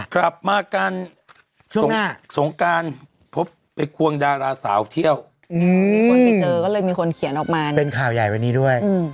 กลับมากันช่วงสงการพบไปควงดาราสาวเที่ยวมีคนไปเจอก็เลยมีคนเขียนออกมาเป็นข่าวใหญ่วันนี้ด้วย